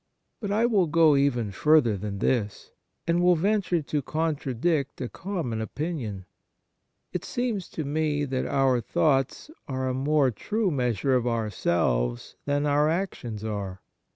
But I will go even further than this, and will venture to contradict a common opinion. It seems to me that our thoughts are a more true measure of ourselves than our actions are.